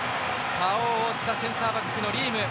顔を覆ったセンターバックのリーム。